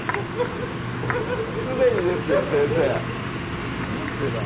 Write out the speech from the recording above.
すでにですよ先生なんでだ？